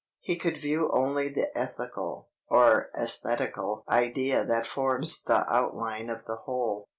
He could view only the ethical (or æsthetical) idea that forms the outline of the whole.